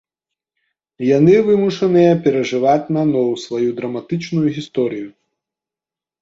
Яны вымушаныя перажываць наноў сваю драматычную гісторыю.